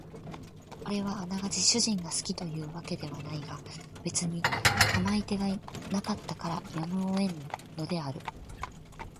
これはあながち主人が好きという訳ではないが別に構い手がなかったからやむを得んのである